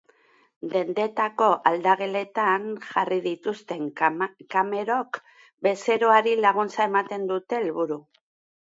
Dendetako aldageletan jarri dituzten kamerok, bezeroari laguntza ematea dute helburu.